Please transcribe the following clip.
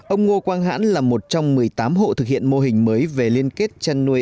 ông ngô quang hãn là một trong một mươi tám hộ thực hiện mô hình mới về liên kết chăn nuôi